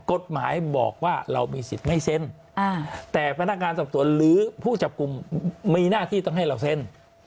กฎหมายบอกว่าเรามีสิทธิ์ไม่เซ็นแต่พนักงานสอบสวนหรือผู้จับกลุ่มมีหน้าที่ต้องให้เราเซ็น